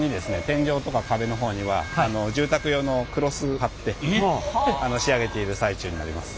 天井とか壁の方には住宅用のクロスを貼って仕上げている最中になります。